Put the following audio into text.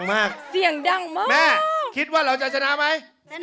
ห๊ะเดี๋ยวกดเราใส่